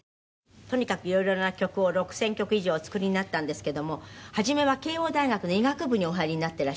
とにかく色々な曲を６０００曲以上お作りになったんですけども初めは慶應大学の医学部にお入りになってらして。